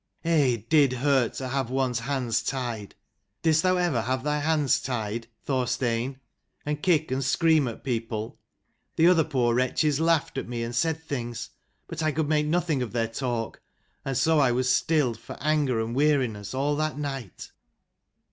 Eh, it did hurt to have one's hands tied. Did'st thou ever have thy hands tied, Thorstein? and kick and scream at people? The other poor wretches laughed at me, and said things, but I could make nothing of their talk. And so I was still, for anger and weariness, all that night.